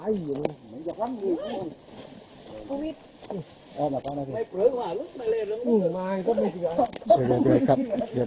อันนี้มันเท้าอย่างนั้นมันหลอดไปทางใต้พี่มันไม่ได้